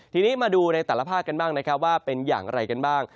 ทีนี้มาดูในแต่ละภาคกันบ้างนะครับว่าเป็นอย่างไรกันบ้าง